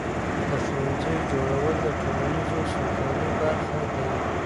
د ښوونځیو جوړول د ټولنیزې سوکالۍ برخه ده.